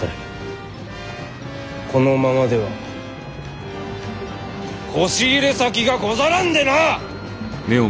このままではこし入れ先がござらんでなあ！